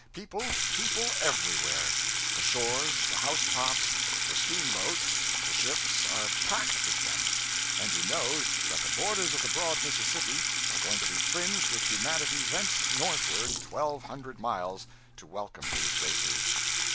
People, people everywhere; the shores, the house tops, the steamboats, the ships, are packed with them, and you know that the borders of the broad Mississippi are going to be fringed with humanity thence northward twelve hundred miles, to welcome these racers.